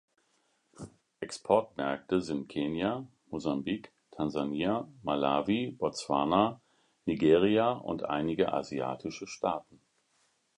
Exportmärkte sind Kenia, Mosambik, Tansania, Malawi, Botswana, Nigeria und einige asiatische Staaten.